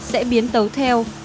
sẽ biến tấu theo